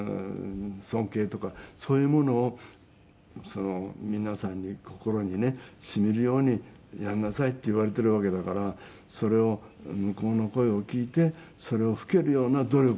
尊敬とかそういうものを皆さんに心にね沁みるようにやんなさいって言われているわけだからそれを向こうの声を聞いてそれを吹けるような努力をするの。